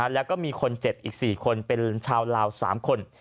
แล้วก็มีคนเจ็บอีก๔คนเป็นชาวลาว๓คน